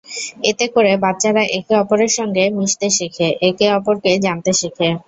এতে করে বাচ্চারা একে অপরের সঙ্গে মিশতে শেখে, একে অপরকে জানতে শেখে।